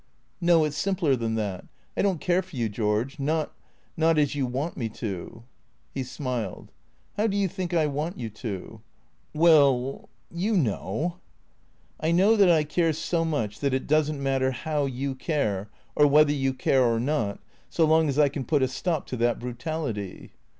" No. It 's simpler than that. I don't care for you, George, not — not as you want me to." He smiled. " How do you think I want you to ?"" Well — you know." " I know that I care so much that it does n't matter how you care, or whether you care or not, so long as I can put a stop to that brutality."